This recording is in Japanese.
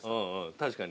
確かに。